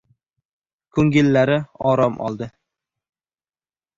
Ko‘ngillari orom oldi.